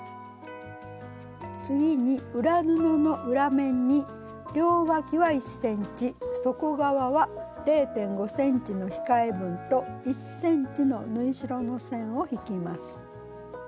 次に裏布の裏面に両わきは１ｃｍ底側は０．５ｃｍの控え分と１ｃｍの縫い代の線を引きます。